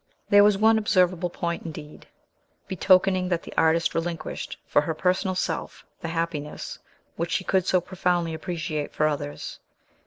There was one observable point, indeed, betokening that the artist relinquished, for her personal self, the happiness which she could so profoundly appreciate for others.